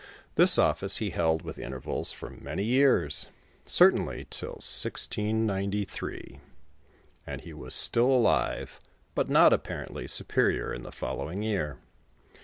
This of&ce he held with intervals for many years, certainly till 169S, and he was still alive, but not apparently superior in the following year.